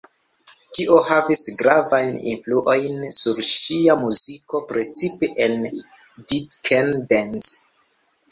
Tio havis gravajn influojn sur ŝia muziko, precipe en "Dead Can Dance".